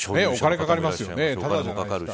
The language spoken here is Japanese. お金かかりますよね。